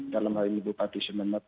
dalam hal ini